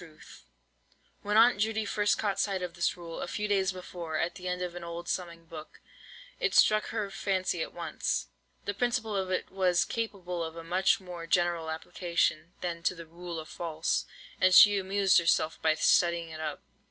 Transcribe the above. [Picture: The rule of false] When Aunt Judy first caught sight of this rule, a few days before, at the end of an old summing book, it struck her fancy at once. The principle of it was capable of a much more general application than to the "Rule of False," and she amused herself by studying it up.